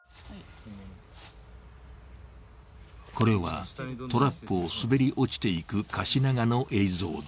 これは、トラップを滑り落ちていくカシナガの映像だ。